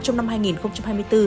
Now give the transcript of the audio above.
trong năm hai nghìn hai mươi bốn